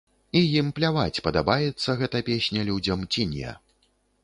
І ім пляваць, падабаецца гэта песня людзям ці не.